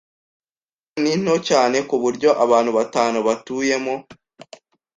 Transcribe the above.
Inzu ni nto cyane ku buryo abantu batanu batuyemo.